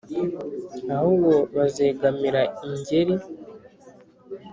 Ahubwo bazegamira ingeri